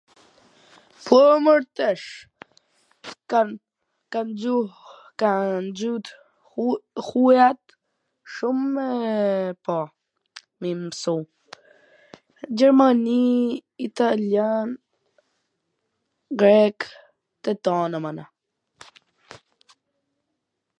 Po mor tesh kan gju... kan gjuh t huja shum me pa me i msu, Gjermani, italjan, grek, tw tana mana.